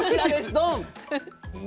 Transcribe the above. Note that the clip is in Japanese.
ドン。